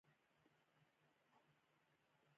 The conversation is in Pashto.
ازادي راډیو د بیکاري په اړه د قانوني اصلاحاتو خبر ورکړی.